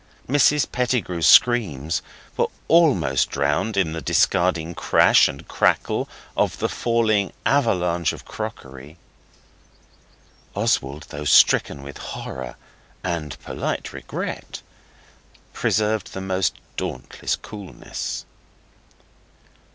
Mrs Pettigrew's screams were almost drowned in the discarding crash and crackle of the falling avalanche of crockery. Oswald, though stricken with horror and polite regret, preserved the most dauntless coolness.